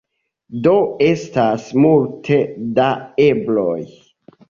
Do estas multe da ebloj.